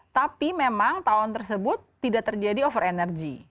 tapi memang tahun tersebut tidak terjadi over energy